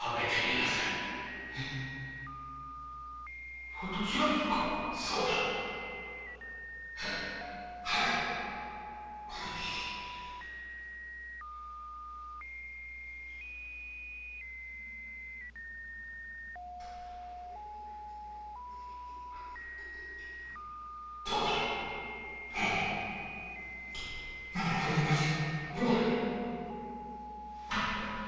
なかなかいけます。